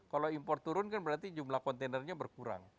kalau impor turun kan berarti jumlah kontainernya berkurang